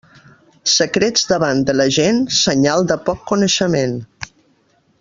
Secrets davant de la gent, senyal de poc coneixement.